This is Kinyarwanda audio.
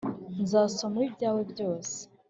nzasoma ibyawe byose